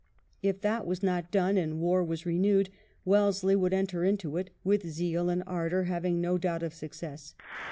If that were not done and war was renewed, Wellesley would enter upon it with zeal and ardour, having no doubt of success.